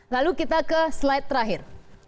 lalu kita ke slide terakhir